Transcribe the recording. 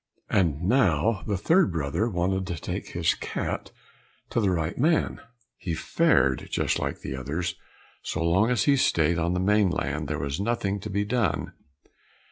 And now the third brother wanted to take his cat to the right man. He fared just like the others; so long as he stayed on the mainland there was nothing to be done.